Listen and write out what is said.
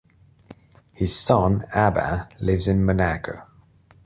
His son, Abba, lives in Monaco.